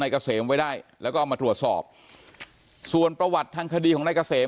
นายกะเสมไว้ได้แล้วก็มาตรวจสอบส่วนประวัติทางคดีของนายกะเสม